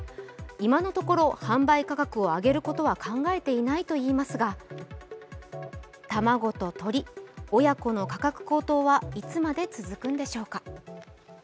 今のところ、販売価格を上げることは考えていないといいますが卵と鶏、親子の価格高騰はいつまで続くんでしょうか。